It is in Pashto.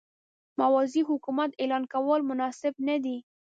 موازي حکومت اعلان کول مناسب نه دي.